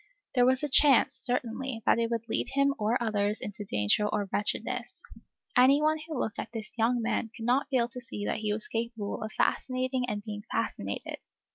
There was a chance, certainly, that it would lead him or others into danger or wretchedness. Any one who looked at this young man could not fail to see that he was capable of fascinating and being fascinated.